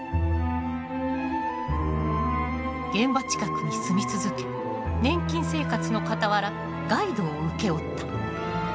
現場近くに住み続け年金生活のかたわらガイドを請け負った。